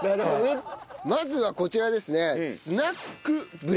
まずはこちらですね。